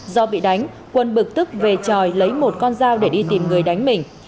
do bị đánh quân bực tức về tròi lấy một con dao để đi tìm người đánh mình